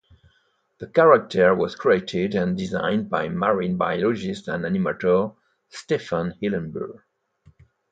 The character was created and designed by marine biologist and animator Stephen Hillenburg.